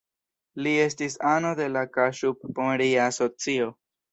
Li estis ano de la Kaŝub-Pomeria Asocio.